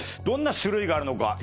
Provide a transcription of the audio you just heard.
どんな種類があるのか。